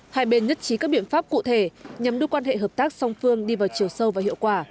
hai bên nhất trí các biện pháp cụ thể nhằm đưa quan hệ hợp tác song phương đi vào chiều sâu và hiệu quả